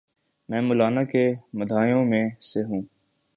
میں مولانا کے مداحوں میں سے ہوں۔